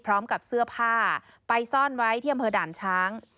พร้อมกับเสื้อผ้าไปซ่อนไว้ที่อำเภอด่านช้าง